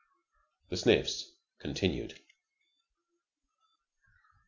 The sniffs continued.